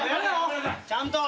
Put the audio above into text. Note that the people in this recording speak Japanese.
ちゃんと。